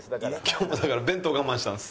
今日だから弁当我慢したんです。